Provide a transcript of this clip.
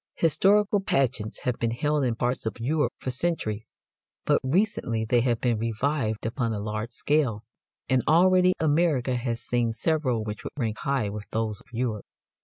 Historical pageants have been held in parts of Europe for centuries, but recently they have been revived upon a large scale, and already America has seen several which would rank high with those of Europe.